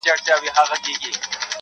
يوازيتوب ريشا په ډک ښار کي يوازي کړمه ,